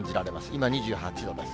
今２８度です。